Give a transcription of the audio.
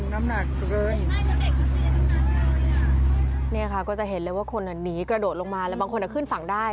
นี่ค่ะก็จะเห็นเลยว่าคนนี้กระโดดลงมาแล้วบางคนจะขึ้นฝั่งได้